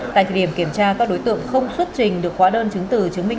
tại thời điểm kiểm tra các đối tượng không xuất trình được khóa đơn chứng từ chứng minh